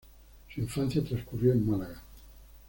Su infancia transcurrió en Málaga.